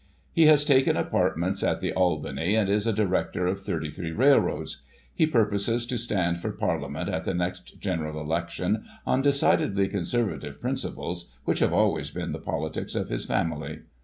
He has taken apartments at the Albany, and is a director of thirty three railroads. He purposes to stand for Parlia ment at the next general election, on decidedly conservative principles, which have always been the politics of his family.